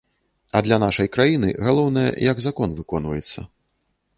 А для нашай краіны галоўнае, як закон выконваецца.